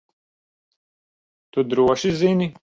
Tu droši zini?